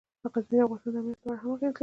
غزني د افغانستان د امنیت په اړه هم اغېز لري.